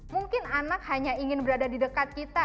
mungkin anak hanya ingin berada di dekat kita